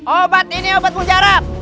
obat ini obat mujarab